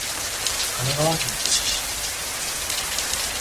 神奈川県逗子市